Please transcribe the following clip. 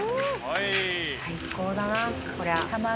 最高だなこりゃ。